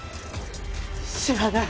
知らない。